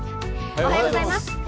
おはようございます。